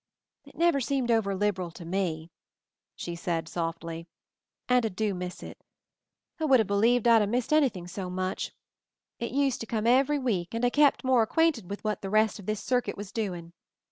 "It never seemed over liberal to me," she said softly, "and I do miss it. I wouldn't a'believed 'Id a'missed anything so much. It used to come every week, and I kept more acquainted with what the rest of this circuit was doing.